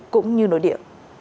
cũng như nội địa